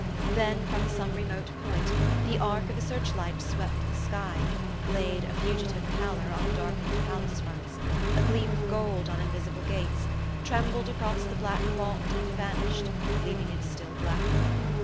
Then, from some remote point, the arc of a search light swept the sky, laid a fugitive pallor on darkened palace fronts, a gleam of gold on invisible gates, trembled across the black vault and vanished, leaving it still blacker.